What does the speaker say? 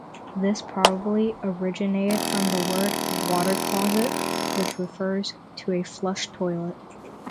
This probably originated from the word "water closet", which refers to a flush toilet.